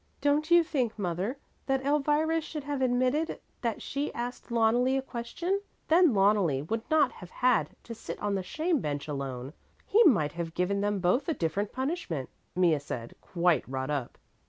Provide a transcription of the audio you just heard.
"Don't you think, mother, that Elvira should have admitted that she asked Loneli a question? Then Loneli would not have had to sit on the shame bench alone. He might have given them both a different punishment," Mea said, quite wrought up.